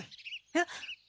えっ？